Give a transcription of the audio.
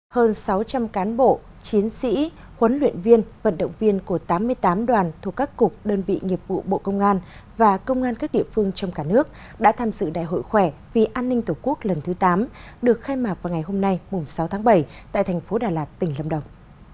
hơn sáu trăm linh cán bộ chiến sĩ huấn luyện viên vận động viên của tám mươi tám đoàn thuộc các cục đơn vị nghiệp vụ bộ công an và công an các địa phương trong cả nước đã tham dự đại hội khỏe vì an ninh tổ quốc lần thứ tám được khai mạc vào ngày hôm nay sáu tháng bảy tại thành phố đà lạt tỉnh lâm đồng